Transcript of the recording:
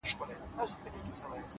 د لرې اورګاډي غږ د سفر خیال راولي’